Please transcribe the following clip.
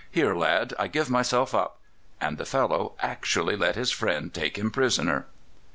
Here, lad, I give myself up." And the fellow actually let his friend take him prisoner.